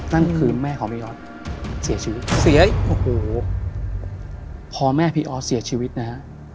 นั่นคือแม่ของพี่ออสเสียชีวิตเสียโอ้โหพอแม่พี่ออสเสียชีวิตนะฮะ